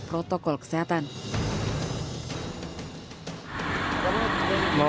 protokol kesehatan dan keadaan di dalam mobil